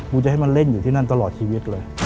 จะให้มาเล่นอยู่ที่นั่นตลอดชีวิตเลย